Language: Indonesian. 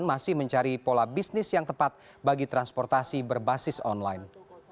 masih mencari pola bisnis yang tepat bagi transportasi berbasis online